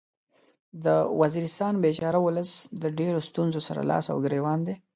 د وزیرستان بیچاره ولس د ډیرو ستونځو سره لاس او ګریوان دی